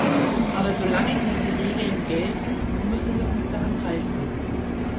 Aber solange diese Regeln gelten, müssen wir uns daran halten.